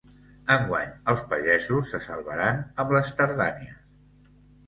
Enguany els pagesos se salvaran amb les tardanies.